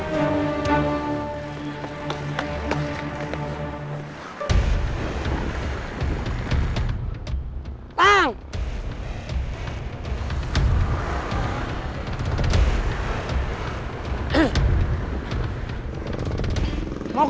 tasik tasik tasik